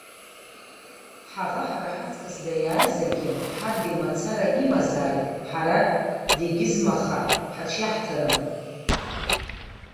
Ҳаӷа ҳара ҳаҵкыс даиааизаргьы, ҳадгьыл мацара имазааит, ҳара дегьызмаха ҳаҽиаҳҭарым!